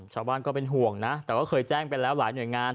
ก็เป็นห่วงนะแต่ก็เคยแจ้งไปแล้วหลายหน่วยงาน